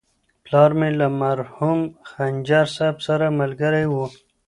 پلار مي له مرحوم خنجر صاحب سره ملګری و.